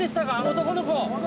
男の子。